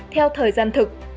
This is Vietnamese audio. theo thời gian thực